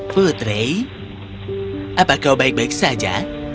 putri apa kau baik baik saja